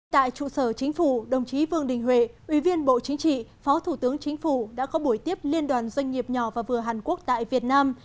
tại trụ sở chính phủ đồng chí vương đình huệ ủy viên bộ chính trị phó thủ tướng chính phủ đã có buổi tiếp liên đoàn doanh nghiệp nhỏ và vừa hàn quốc tại việt nam